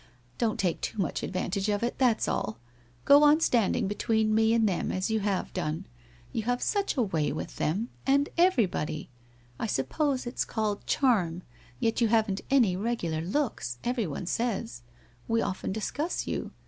Don't take too much advantage of it, that's all ! Go on standing between me and them, as you have done. You have such a way with them — and everybody ! I sup pose it's called charm, yet you haven't any regular looks, everyone says. We often discuss you.